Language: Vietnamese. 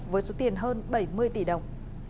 với số tiền hơn bảy mươi tỷ đồng